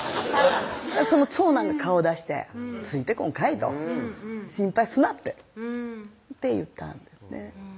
その長男が顔出して「ついてこんかい！」と「心配すな！」って言ったんですね